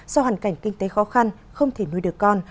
do hoàn cảnh kinh tế khó khăn không thể nuôi được con